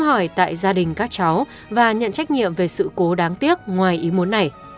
hỏi tại gia đình các cháu và nhận trách nhiệm về sự cố đáng tiếc ngoài ý muốn này